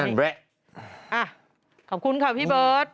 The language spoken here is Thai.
ขอบคุณค่ะพี่เบิร์ต